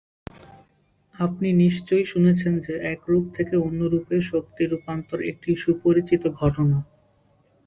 আপনি নিশ্চয়ই শুনেছেন যে এক রূপ থেকে অন্য রূপে শক্তি রূপান্তর একটি সুপরিচিত ঘটনা।